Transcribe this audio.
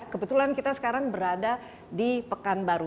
kebetulan kita sekarang berada di pekanbaru